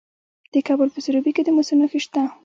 د کابل په سروبي کې د مسو نښې شته.